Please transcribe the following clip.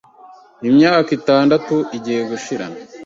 Imyaka itandatu igiye gushira